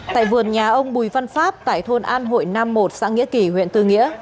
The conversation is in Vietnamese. tại vườn nhà ông bùi văn pháp tại thôn an hội nam một xã nghĩa kỳ huyện tư nghĩa